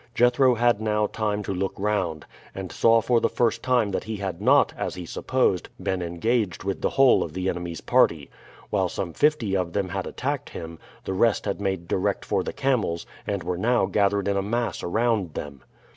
Jethro had now time to look round, and saw for the first time that he had not, as he supposed, been engaged with the whole of the enemy's party. While some fifty of them had attacked him, the rest had made direct for the camels, and were now gathered in a mass around them.